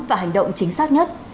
và hành động chính xác nhất